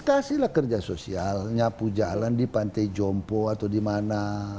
kasihlah kerja sosial nyapu jalan di pantai jompo atau di mana